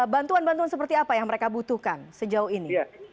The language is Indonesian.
bantuan bantuan seperti apa yang mereka butuhkan sejauh ini